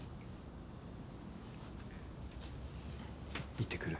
行ってくる。